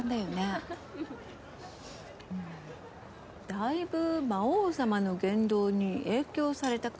だいぶ魔王様の言動に影響された感じだ。